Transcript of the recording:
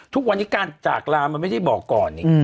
ทุกวันนี้การจากลามันไม่ได้บอกก่อน